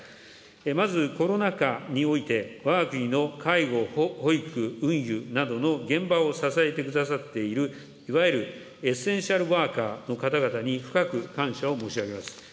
まずコロナ禍において、わが国の介護・保育、運輸などの現場を支えてくださっている、いわゆるエッセンシャルワーカーの方々に深く感謝を申し上げます。